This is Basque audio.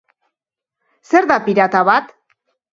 Zer da pirata bat?